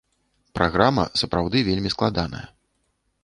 Праграма сапраўды вельмі складаная.